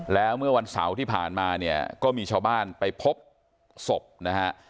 แล้วเมื่อวันเสาร์ที่ผ่านมาเนี่ยก็มีชาวบ้านไปพบศพนะฮะ